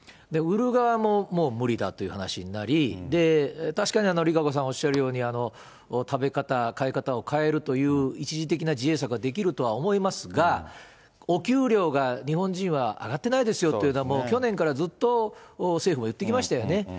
売る側も、もう無理だという話になり、確かにＲＩＫＡＣＯさんおっしゃるように、食べ方、買い方を変えるという一時的な自衛策はできるとは思いますが、お給料が日本人は上がってないですよっていうのは、去年からずっと政府もいってきましたよね。